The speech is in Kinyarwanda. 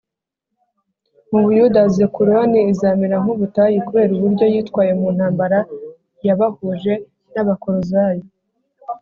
mu Buyuda z Ekuroni izamera nku butayu kubera uburyo yitwaye mu ntambara yabahuje naba korozayo